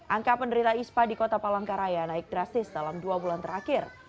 angka penderita ispa di kota palangkaraya naik drastis dalam dua bulan terakhir